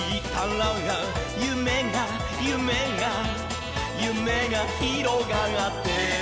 「ゆめがゆめがゆめがひろがって」